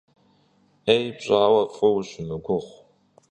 'êy pş'aue f'ı vuşımıguğ.